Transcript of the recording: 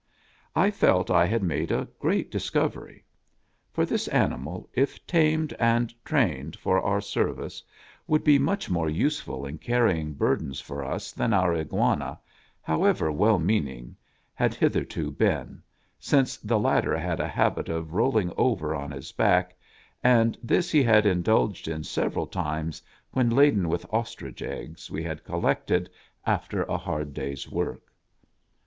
I felt I had made a great discovery. For this animal, if tamed and trained for our service, would be much more useful in carrying burdens for us than our Iguana, however well meaning, had hitherto been, since the latter had a habit of rolling over on his back, and di.is he had indulged in several times when laden with ostrich eggs we had collected after a hard day's work.